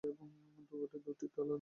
দুর্গটি দুটি তলা নিয়ে গঠিত।